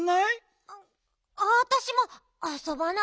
わわたしもあそばない。